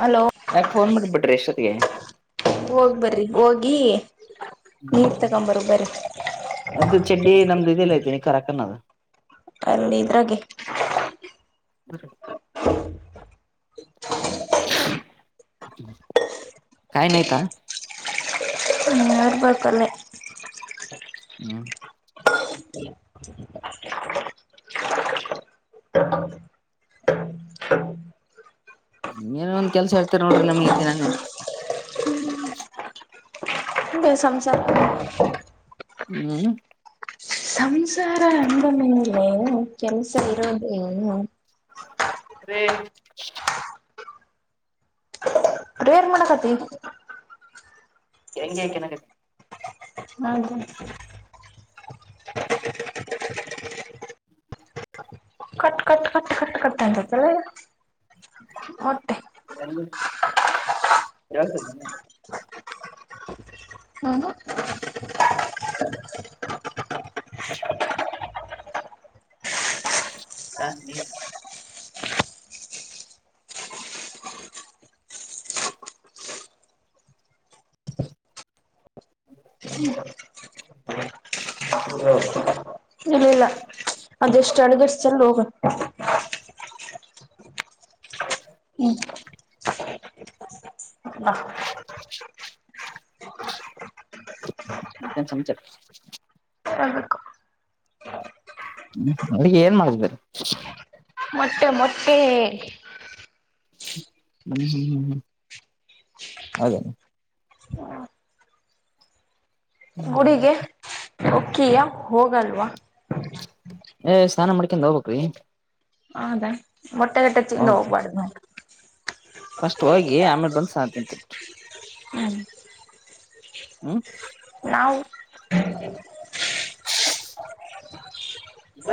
Hello ಯಾಕ್ phone ಮಾಡಿ ಬಿಟ್ಟಿರಿ ಇಷ್ಟೊತ್ತಿಗೆ ಹೋಗ್ ಬರ್ರಿ ಹೋಗಿ [inaudible] ನೀರ್ ತಕೊಂಬರು ಬರಿ ನಂದು ಚಡ್ಡಿ ನಮ್ದು ಇದ ಎಲ್ಲ ಐತಿ ನಿಕ್ಕರ್ ಹಾಕ್ಯಣದ. ಅಲ್ಲಿ ಇದ್ರಾಗೆ [unintelligible] [unintelligible] ಕಾಯ್ನ್ ಅಯ್ತಾ [unintelligible] ಹ್ಮ. [unintelligible] [inaudible] ಇಂಗ ಏನ್ ಒಂದ ಕೆಲಸ ಹೇಳ್ತೀರಿ ನೋಡ್ರಿ [unintelligible] ಹಂಗೆ ಸಂಸಾ [unintelligible] ಹ್ಮ. ಸಂಸಾರ ಅಂದ ಮೇಲೆ ಕೆಲಸ ಇರೋದೆ ಏನು ರೇ [unintelligible] [unintelligible] ಮಾಡಾಕತಿ. [unintelligible] [unintelligible] [unintelligible] ಮೊಟ್ಟೆ. [unintelligible] ಹ್ಮ [unintelligible] ಚ ನೀ [unintelligible] [inaudible] [inaudible] ಇಲ್ಲಿಲ್ಲ ಅದೆ ಎಷ್ಟು ಅಡಗರ್ಸ್ತಲ್ಲ ಹೋಗು ಹ್ಮ್ [inaudible] ಬಾ [inaudible] ಮತ್ತೆನ್ ಸಮಾಚಾರ ಹೇಳ್ಬೇಕು ಹ್ಮ್ ಅಡುಗೆ ಏನ್ ಮಾಡಿದ್ದಾರೆ ಮೊಟ್ಟೆ ಮೊಟ್ಟೆ ಹ್ಮ್ ಹ್ಮ್ ಹ್ಮ್ ಹ್ಮ್ ಹೌದ ಹ್ಮ ಗುಡಿಗೆ ಒಕ್ಕಿಯ ಹೋಗಲ್ವಾ ಏ ಸ್ನಾನ ಮಾಡ್ಕೊಂಡ್ ಹೋಗ್ಬೇಕುರಿ ಹೌದಾ ಮೊಟ್ಟೆಗಟ್ಟೆಚ್ಚಿಂದ ಹೌದ್ರಿ ಹೋಗ್ಬಾರಡ್ದ್ ನ ಫಸ್ಟ್ ಹೋಗಿ ಆಮೇಲೆ ಬಂದ್ ಸಾ ತಿಂತೀನಿ ಹ್ಮ ಹ್ಮ ನಾವು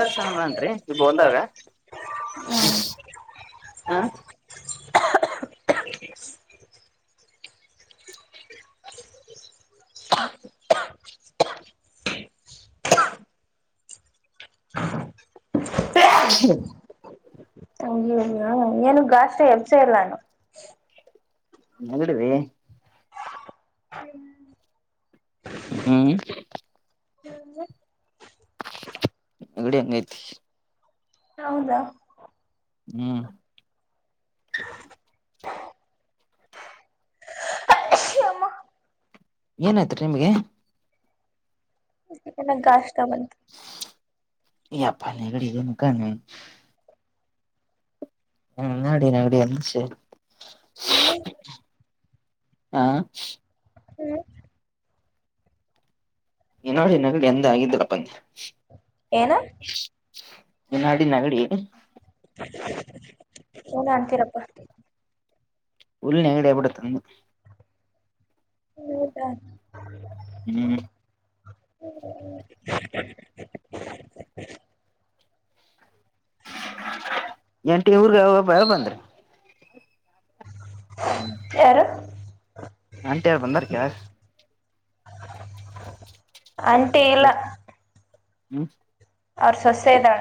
ಇರ್ ಸಾನ ಮಾಡನ್ರಿ ಇಬ ಒಂದಾಗ ಹ್ಮ್ ಹ [unintelligible] ಹ್ಮ್ ಅಯ್ಯಯ್ಯೋ ಏನುಗ್ ಗಾಸ್ಟ್ ಎಪ್ಸೇ ಇಲ್ಲ ನಾನು ನೆಗಡಿ ರಿ ಹ್ಮ್ ಹ್ಮ್ [inaudible] ನೆಗಡಿ ಹೆಂಗೈತಿ ಹೌದ ಹ್ಮ್ ಅಮ್ಮ ಏನಾಯ್ತುರಿ ನಿಮ್ಗೆ ಏನೋ ಗಷ್ಕಾ ಬಂತು ಯ ಪ ನೆಗಡಿ ಇನ್ನು ಕಡಿಮೆ ಆಗಿಲ್ಲ ಹ್ಮ ನಡಿ ನಡಿ ಹ್ಮ್ ಹಾ ಏನ ನೋಡಿ ಎಂದ ಆಗಿದ್ದರಪ್ಪಂದೆ ಏನು ನಾಡಿ ನೆಗಡಿ [inaudible] ಏನೋ ಅಂತಿರಪ್ಪ ಫುಲ್ ನೆಗಡಿ ಆಗ್ಬಿಟ್ಟೈತೆ ಹೌದಾ ಹ್ಮ ಹ್ಮ್ ಆಂಟಿ ಊರ್ಗ ಒಬ್ಬ ಬಂದ್ರಿ ಹ್ಮ್ ಯಾರು ಆಂಟಿ ಯಾರು ಬಂದಾರಕ ಅನ್ ಎಷ್ಟ ಹ್ಮ್ ಅವರ್ ಸೊಸೆನಾ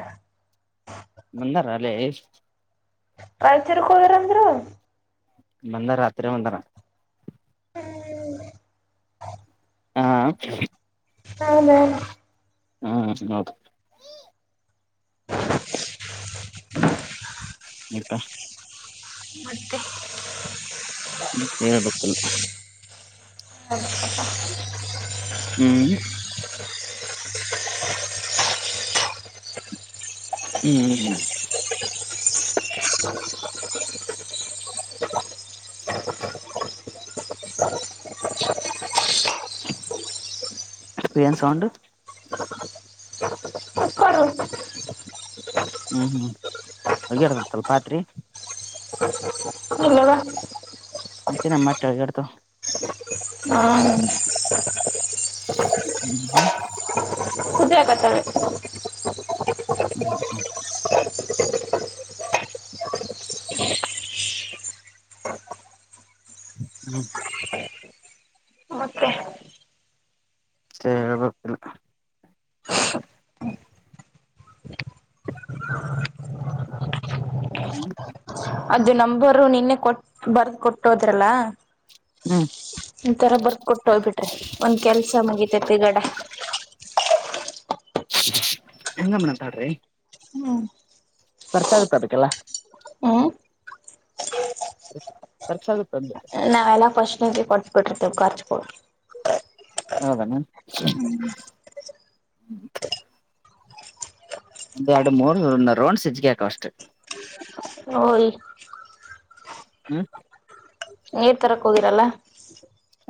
ಬಂದಾರ ಅಲೇ ಕಾಯತಿರೋಕೆ ಹೋಗ್ಯಾರಂದ್ರೆ ನೆನ್ನೆ ರಾತ್ರಿ ಬಂದರ. ಹಾ ಹೌದೇನೋ ಹ್ಮ ಹೌದು ಇರ್ತಾ ಮತ್ತೆ ಹೇಳ್ಬೇಕಿಲ್ ಹ [unintelligible] ಹ್ಮ್ ಹ್ಮ್ ಹ್ಮ್ ಏನ್ ಸೌಂಡೂ ಹ್ಮ್ ಹ್ಮ್ ಅಗ್ಯರ್ತ ಸ್ವಲ್ ಪಾತ್ರಿ ನ್ವ [unintelligible] ಮತ್ತೆ ನಮ್ಮಟ್ಟೆ ಎಳಗಾಡ್ತ ಹಾ ಹ್ಮ್ ಹ್ಮ್ ಹದ್ರಕತಾವೆ ಹ್ಮ್ ಹ್ಮೊ ಹ್ಮ್ ಮತ್ತೆ ಸ ಹೇಳಬೇಕೆಲ್ಲ. ಹ್ಮ್ ಅದು ನಂಬರು ನಿನ್ನೆ ಕೊಟ್ಟ್ ಬರ್ದ್ ಕೊಟ್ಟೋದ್ರಲ್ಲ. ಹ್ಮ್ ಇತರ ಬರ್ದ್ ಕೊಟ್ಟು ಹೋಗ್ಬಿಟ್ರಿ ಒಂದ್ ಕೆಲಸ ಮುಗಿತೈತ್ತಲ್ಲ. ಹೆಂಗಮ್ಮತಾಡ್ರಿ ಹ್ಮ್ ಖರ್ಚ ಆಗುತ್ತೆ ಅದಕ್ಕೆಲ್ಲ. ಖರ್ಚಾಗುತ್ತೆ ಅಂದೇ ನಾವೆಲ್ಲಾ ಫಸ್ಟ್ನಿಗೆ ಕೊಟ್ಟು ಬಿಟ್ರೀ ಖರ್ಚ್ಕಿ ಹೌದೇನೋ ಹ್ಮ್ ಒಂದ್ ಎರಡು ಮೂರು ರೌಂಡ್ ಸಿಜ್ಗೆ ಗೇಟೊ ಅಷ್ಟೇ. ಹ ಹ್ಮ ನೀರ್ ತರಕ್ ಹೋಗಿರಲ್ಲ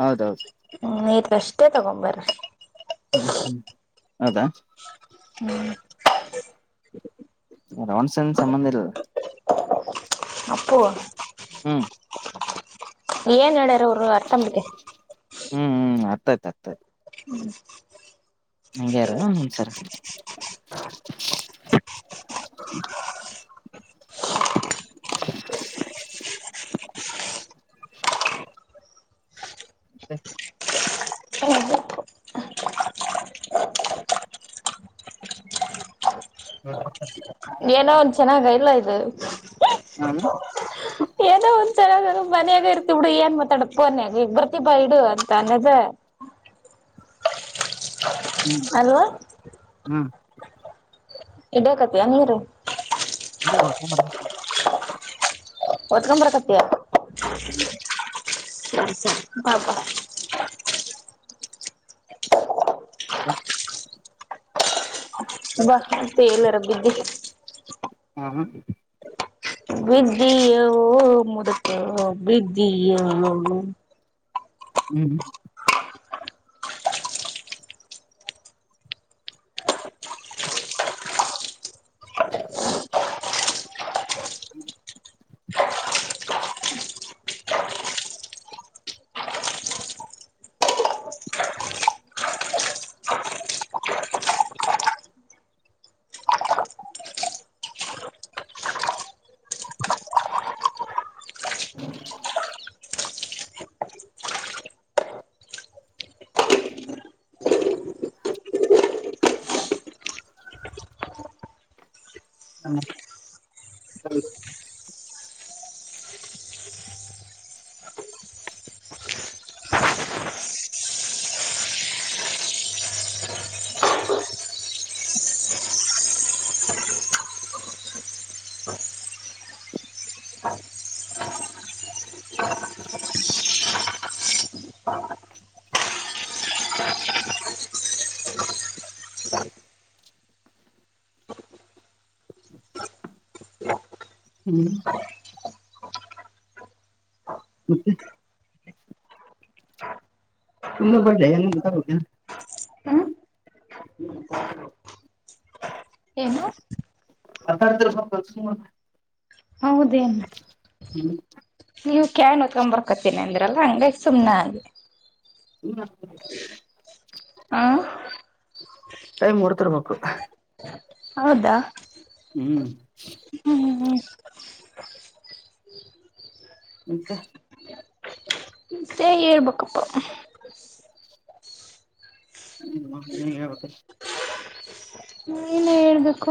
ಹೌದೌದು ಹ್ ನೀರ್ ಅಷ್ಟೇ ತಗೊಂಬರೀ ಹ್ಮ್ ಹ್ಮ್ ಹೌದಾ ಹ್ಮ್ ರಾಸನ್ ಸಂಬಂಧ ಇಲ್ಲ. ಅಪ್ಪು ಹ್ಮ. ಏನ್ ಹೇಳ್ಯಾರ ಅವರು ಅರ್ಥ ಮಾಡ್ಕ. ಹ್ಮ ಹ್ಮ ಅರ್ಥ ಆಯ್ತ ಆತ. ಹ್ಞೂ. ಹಂಗೆ ಇರ ಸರ [inaudible] [inaudible] [unintelligible] ಏನೋ ಒಂದ ಚೆನ್ನಾಗ ಇಲ್ಲ ಇದ ಹಾ [inaudible] ಏನೋ ಒಂದ್ಸರ ಮನ್ಯಾಗ ಇರ್ತಿ ಬಿಡು ಏನ್ ಮಾತಾಡ ಕೊನ್ಯಾಗ ಈಗ ಬರ್ತಿ ಬಾ ಇಡು ಅಂತ ಅನ್ನದ. ಹ್ಮ. ಅಲ್ವಾ ಹ್ಮ. ಇಡಕತಿಯಾ ನೀರು. [unintelligible] ಹೊತ್ತಕೊಂದ ಬರಾಕತ್ತಿಯ ಹ್ಮ. ಸರೀ ಸರಿ ಬಾ ಬಾ [inaudible] ಬಾ ತೆಲರಿ ಬಿದ್ದಿ. [unintelligible] ಬಿದ್ದಿಯೋ ಮುದಕೋ ಬಿದ್ದಿಯೋ ಹ್ಮ. [unintelligible] ಹ್ಮ. [unintelligible] [inaudible] ಹ್ಮ. ಮತ್ತೆ ತುಂಬಾ ಬಡ್ಲೆ ಹೆಂಗ ಬೇಕಾರ ಏನು ಮಾತಾಡ್ತೀರ ಸ್ವಲ್ಪ [unintelligible] ಹೌದೇನ ಹ್ಮ. ನೀವ ಕ್ಯಾನ್ ಹೊತ್ಕೊಂದ ಬರ್ಕತ್ತಿನಿ ಅಂದ್ರಲ್ಲ ಹಂಗಗ ಸುಮ್ನ ಆದೆ. [inaudible] ಆ ಟೈಮ್ ಓಡ್ತಿರ್ಬೇಕ. ಹೌದಾ. ಹ್ಮ. ಹ್ಮ ಹ್ಮ ಹ್ಮ. ಮತ್ತ ಹೆ ಹೇಳಬಕಪ್ಪ ಹ್ಮ್ ನೀನೆ ಹೇಳ್ಬೇಕು. ನೀನೆ ಹೇಳಬೇಕು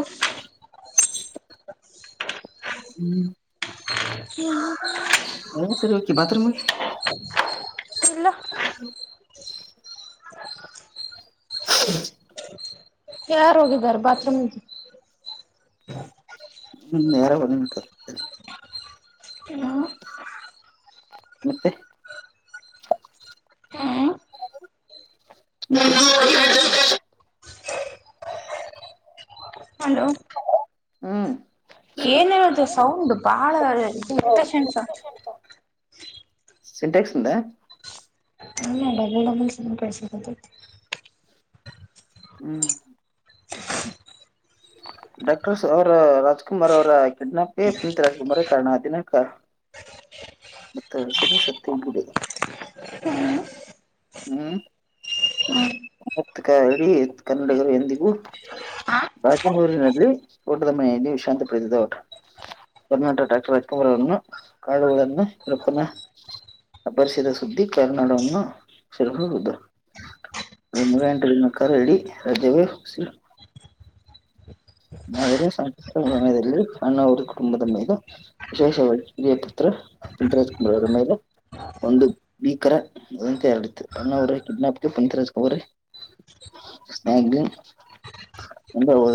ಹ್ಮ್ ಕ [unintelligible] ಎಲ್ಲ ಸಲಿ ಹೋಗತಿ ಬಾತ್ರೂಮ್ ಗೆ ಇಲ್ಲ ಹ ಯಾರು ಹೋಗಿದ್ದಾರೆ ಬಾತ್ರೂಮ್ಗೆ. ಹ್ಮ್ ನೇರ ಬಂದಂಟು ಹ ಮತ್ತೆ ಹ್ಮ್ ಹ್ಮ [unintelligible] ಹ್ಮ್ ಏನೋ ಅದು ಸೌಂಡ್ ಬಹಳ ಇರೀಟೇಶನ್ ಸೌಂಡು ಸಿಂಟೆಕ್ಸ್ಂದ ಇಲ್ಲಡಬು ಚ ಕಳ್ಸೈತಿ [unintelligible] ಹ್ಮ್ ಡಾಕ್ಟರ್ ಸರ್ ರಾಜುಕುಮಾರ್ ಅವರ ಕಿಡ್ನಾಪ್ ಗೆ ಪುನೀತ್ ರಾಜುಕುಮಾರೇ ಆ ಕಾರಣ ದಿನಾಕ ಮತ್ತ ಸರಿ ಸತ್ಯ ಕೂಡದೆ. ಹ್ಮ್ ಹ್ಮ ಮತ್ ಕ ಹೇಳಿ ಕನ್ನಡಿಗರು ಎಂದಿಗೂ ಬೂರಿನಲ್ಲಿ ಊಟದ ಮನ ನೀವು ವಿ ಶಾಂತ ಪ್ರದದ ಓಟ ಕರ್ನಾಟಕ ಡಾಕ್ಟರ್ ರಾಜುಕುಮಾರ್ ಅವನ್ನು ಕಾಣುವುದನ್ನರಪ್ಪನ ಅಪಹರಿಸಿದ ಸುದ್ದಿ ಕರುನಾಡುವನ್ನು ಸರ್ಕೊಂಡ್ದ್ ಎಂಟನಕ ರಡಿ ರಜೆವೇ ಹೋಗಸಿ [unintelligible] ಅದರೇ ಕಷ್ಟ ಸಮಯದಲ್ಲಿ ಅಣ್ಣ ಅವ್ರ ಕುಟುಂಬದ ಮೇಲೆ ವಿಶೇಷವಾಗಿ ಕಿರಿಯ ಪುತ್ರ ಪುನೀತರಾಜ್ ಕುಮಾರ್ ಅವರ ಮೇಲೆ ಒಂದು ಭೀಕರ ವದಂತಿ ಹರಡಿತ್ತು ಅಣ್ಣ ಅವರ ಕಿಡ್ನಾಪ್ ಗೆ ಪುನೀತ್ ರಾಜ್ ಕುಮಾರ್ ಾಗ ಹ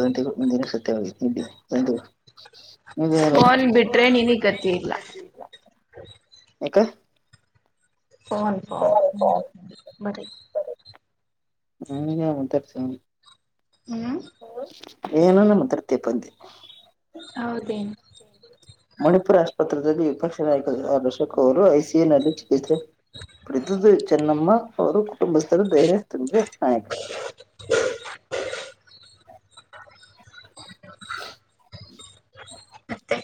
ಗಂಟ [unintelligible] ಮುಂದಿನ ಸತ್ಯವಾಗಿ [unintelligible] ಉದ ಫೋನ್ ಬಿಟ್ರೆ ನಿನಿಗ್ ಗತಿ ಇಲ್ಲ [unintelligible] ಫೋನ್ ಫೋನ್ ನನ್ನದೂ ಬರಿ ಹ್ಮ್ ಉತ್ತರ್ಸ ಹ್ಮ್ ಏನೆನೋ ಮಾತಾಡತ್ತಿಯಪ್ಪ ಅಂದೆ. ಹೌದೇನೋ ಮಣಿಪುರ ಆಸ್ಪತ್ರೆಯಲ್ಲಿ ವಿಪಕ್ಷ ನಾಯಕರು ದಶಕ್ ಅವರು ಐ ಸಿ ಯು ನಲ್ಲಿ ಚಿಕಿತ್ಸೆ [unintelligible] ಚೆನ್ನಮ್ಮ ಅವರು ಕುಟುಂಬಸ್ಥರು ಧೈರ್ಯ ತುಂಬ ನಾಯಕ [inaudible] ಮತ್ತೆ